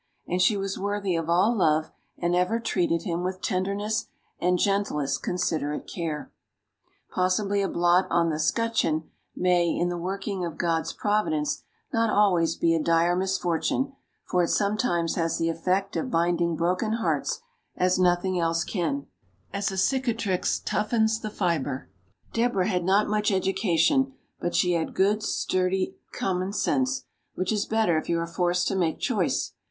And she was worthy of all love, and ever treated him with tenderness and gentlest considerate care. Possibly a blot on the 'scutcheon may, in the working of God's providence, not always be a dire misfortune, for it sometimes has the effect of binding broken hearts as nothing else can, as a cicatrice toughens the fiber. Deborah had not much education, but she had good, sturdy commonsense, which is better if you are forced to make choice.